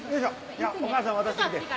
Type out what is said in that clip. じゃあお母さんに渡してきて。